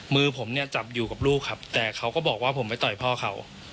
มือผมเนี่ยจับอยู่กับลูกครับแต่เขาก็บอกว่าผมไปต่อยพ่อเขา